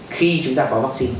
khi chúng ta có vắc xin